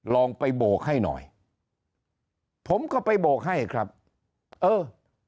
ลองไปโบกให้หน่อยผมก็ไปโบกให้ครับเออ